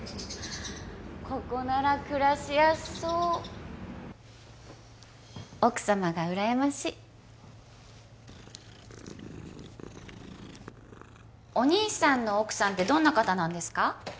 ここなら暮らしやすそう奥様が羨ましいお兄さんの奥さんってどんな方なんですか？